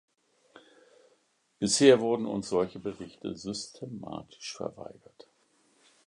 Bisher wurden uns solche Berichte systematisch verweigert.